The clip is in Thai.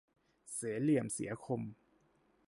เสียเหลี่ยมเสียคม